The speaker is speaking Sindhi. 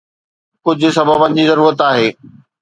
ڪجهه سببن جي ضرورت آهي